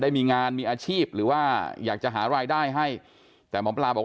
มีงานมีอาชีพหรือว่าอยากจะหารายได้ให้แต่หมอปลาบอก